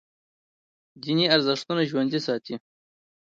دیني ارزښتونه ژوندي ساتي.